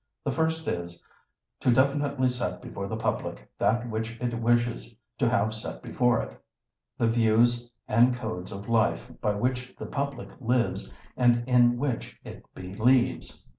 The first is: To definitely set before the public that which it wishes to have set before it, the views and codes of life by which the public lives and in which it believes.